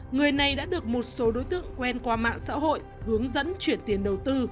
người này đã được một số đối tượng quen qua mạng xã hội hướng dẫn chuyển tiền đầu tư